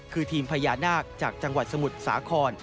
คือทีมพญานาคจากจังหวัดสมุทรสาคร